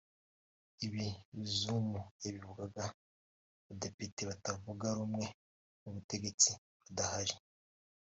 Ibi Zuma yabivugaga abadepite batavuga rumwe n’ubutegetsi badahari